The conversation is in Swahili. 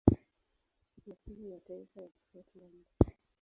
na timu ya taifa ya Scotland.